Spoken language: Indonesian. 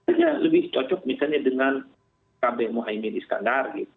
misalnya lebih cocok dengan kb muhammad iskandar